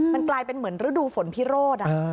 มันกลายเป็นเหมือนฤดูฝนพิโรธ